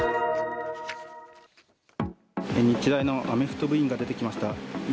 日大のアメフト部員が出てきました。